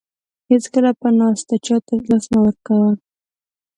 هیڅکله په ناسته چاته لاس مه ورکوه.